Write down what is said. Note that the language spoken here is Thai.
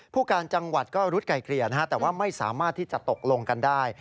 ผู้การจังหวัดก็รุดไก่เกลี่ยนะฮะแต่ว่าไม่สามารถที่จะตกลงกันได้